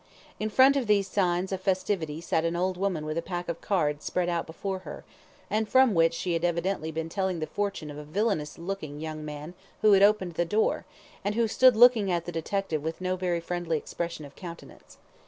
In front of these signs of festivity sat an old woman with a pack of cards spread out before her, and from which she had evidently been telling the fortune of a villainous looking young man who had opened the door, and who stood looking at the detective with no very friendly expression of countenance.